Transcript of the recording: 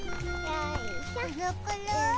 よいしょ。